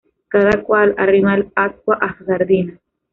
Cada cual arrima el ascua a su sardina